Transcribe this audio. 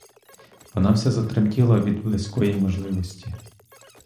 Вона вся затремтіла від близької можливості.